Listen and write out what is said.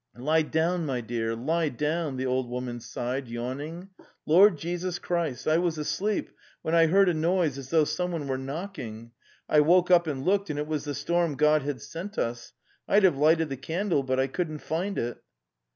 'Lie down, my dear, lie down," the old woman sighed, yawning. ''Lord Jesus Christ! I was asleep, when I heard a noise as though someone were knocking. I woke up and looked, and it was the storm God had sent us. ... I'd have lighted the candle, but I couldn't find it."